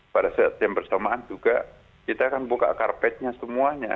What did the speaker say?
pada saat yang bersamaan juga kita akan buka karpetnya semuanya